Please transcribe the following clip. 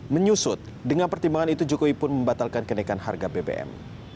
menyusut dengan pertimbangan itu jokowi pun membatalkan kenaikan harga bbm